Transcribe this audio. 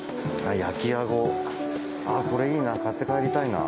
焼きアゴこれいいな買って帰りたいな。